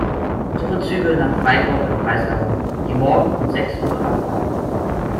Suche Züge nach Freiburg im Breisgau, die morgen um sechs Uhr abfahren.